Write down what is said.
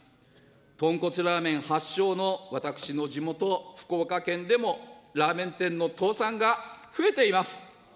豚骨ラーメン発祥の私の地元、福岡県でも、ラーメン店の倒産が増えています。